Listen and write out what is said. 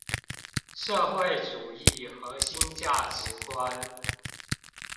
社會主義核心價值觀